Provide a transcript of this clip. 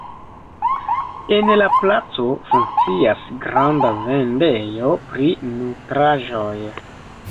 En la placo funkcias granda vendejo pri nutraĵoj.